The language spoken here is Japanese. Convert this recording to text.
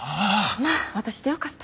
まあ私でよかった。